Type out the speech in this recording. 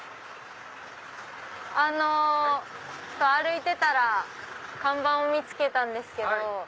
あの歩いてたら看板を見つけたんですけど。